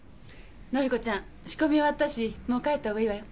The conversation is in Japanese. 典子ちゃん仕込みは終わったし帰った方がいいわよ。